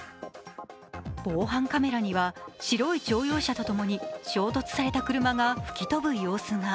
防犯カメラには白い乗用車とともに衝突された車が吹き飛ぶ様子が。